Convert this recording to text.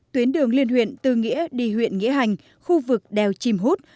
tuyến đường liên huyện tư nghĩa đi huyện nghĩa hành khu vực đèo chìm hút